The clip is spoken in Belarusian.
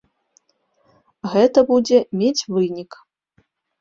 Гэта будзе мець вынік.